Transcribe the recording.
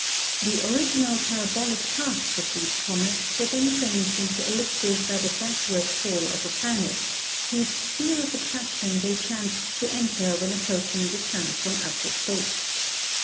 The original parabolic paths of these comets were then changed into ellipses by the backward pull of a planet, whose sphere of attraction they chanced to enter when approaching the sun from outer space.